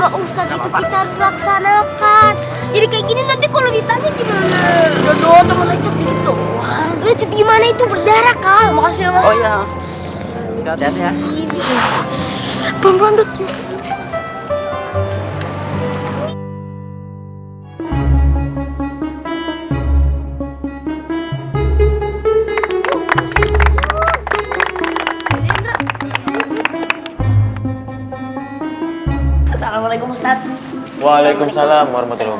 bukan mau isi bensin